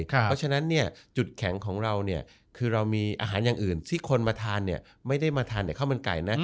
เพราะฉะนั้นจุดแข็งของเราเนี่ยคือเรามีอาหารอย่างอื่นที่คนมาทานไม่ได้มาทานแต่ข้าวมันไก่นะ